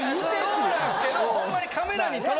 そうなんですけどほんまに。